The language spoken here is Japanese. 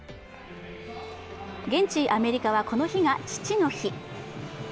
現地、アメリカはこの日が父の日。